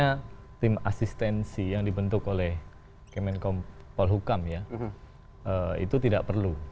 sebetulnya tim asistensi yang dibentuk oleh kemenkom paul hukam itu tidak perlu